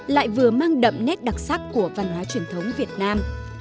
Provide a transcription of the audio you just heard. lại vừa mang đậm nét đặc sắc của văn hóa truyền thống việt nam